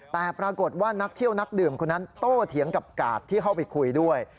แต่ปรากฏว่านักเที่ยวนักดื่มคนนั้นโตเถียงกับกาดที่เข้าไปคุยด้วย